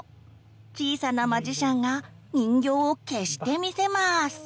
小さなマジシャンが人形を消してみせます。